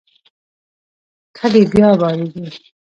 کډې بیا بارېږي.